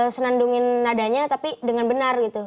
senandungin nadanya tapi dengan benar gitu